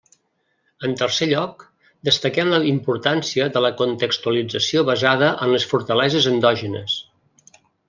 En tercer lloc, destaquem la importància de la contextualització basada en les fortaleses endògenes.